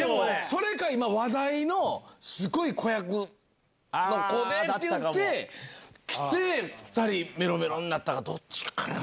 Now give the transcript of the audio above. それか今話題のすごい子役の子っていって来て２人メロメロになったかどっちかやな。